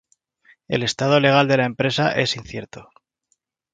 El estado legal de la empresa es incierto.